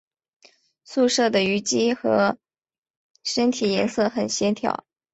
素色的鱼鳍与身体颜色很协调。